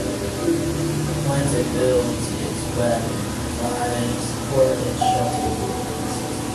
The plants it builds its web in provide support and shelter for the nest.